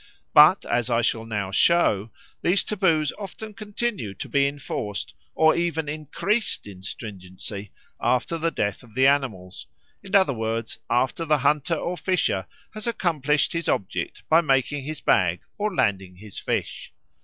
But as I shall now show, these taboos often continue to be enforced or even increased in stringency after the death of the animals, in other words, after the hunter or fisher has accomplished his object by making his bag or landing his fish.